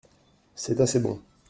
C’est assez bon.